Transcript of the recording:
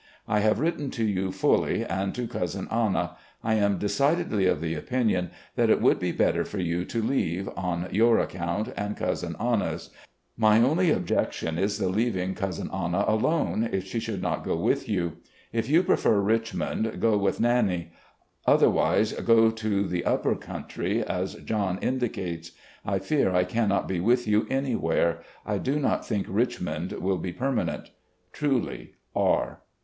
" I have written to you fully and to Cousin Anna. I am decidedly of the opinion that it would be better for 34 RECOLLECTIONS OF GENERAL LEE you to leave, on your account and Cousin Anna's. My only objection is the leaving Cousin Anna alone, if she •will not go with you. If you prefer Richmond, go ■with Nannie. Otherwise, go to the upper country, as John indicates. I fear I cannot be with you anywWe, I do not think Richmond will be permanent. "Truly, R."